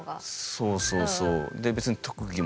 そうそうそう。